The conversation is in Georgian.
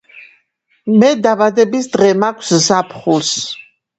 მე დაბადების დღე მაქვს ზაფხულს